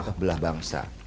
memecah belah bangsa